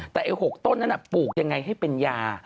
แต่ไอ้๖ต้นนั้นปลูกยังไงให้เป็นยา